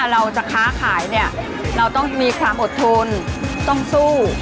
เราจะค้าขายเนี่ยเราต้องมีความอดทนต้องสู้